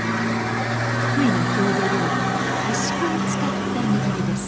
福井の郷土料理へしこを使った握りです